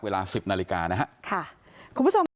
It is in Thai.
เวลา๑๐นาฬิกานะครับ